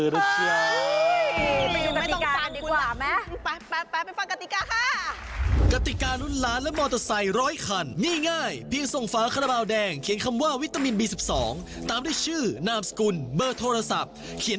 เดี๋ยวหาวออกทีวงทีวีได้ไงน่าเกลียด